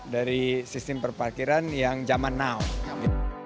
dari sistem perparkiran yang zaman now